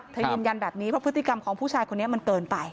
ยืนยันแบบนี้เพราะพฤติกรรมของผู้ชายคนนี้มันเกินไป